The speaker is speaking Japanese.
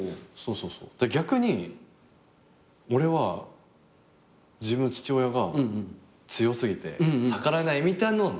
逆に俺は自分の父親が強すぎて逆らえないみたいなのはない。